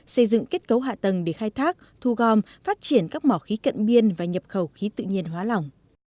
xây dựng kết cấu hạ tầng để khai thác thu gom phát triển các mỏ khí cận biên và nhập khẩu khí tự nhiên hóa lỏng